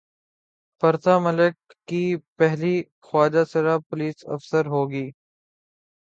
پرتھا ملک کی پہلی خواجہ سرا پولیس افسر ہو گی